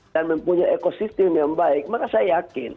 dan mempunyai ekosistem yang baik maka saya yakin